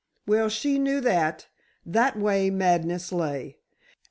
Well she knew that that way madness lay.